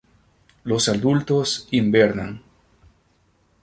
Los adultos invernan.